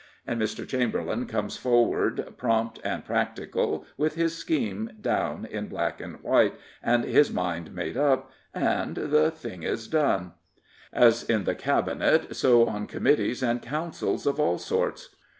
And Mr. Chamberlain comes forward prompt and practical, with his scheme down in black and white, and his mind made up, and — the thing is done. As in the Cabinet, so on committees and councils of all sorts.